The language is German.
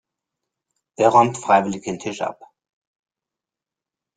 Wer räumt freiwillig den Tisch ab.